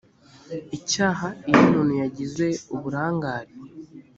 icyaha iyo umuntu yagize uburangare